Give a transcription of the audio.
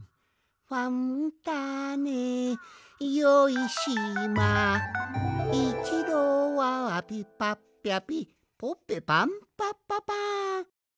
「ファンターネよいしま」「いちどはぴぱっぴゃぴぽぺぱんぱぱぱん」